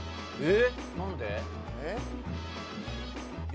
えっ？